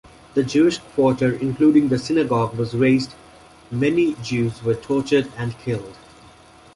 The Jewish quarter including the synagogue was razed, many Jews were tortured and killed.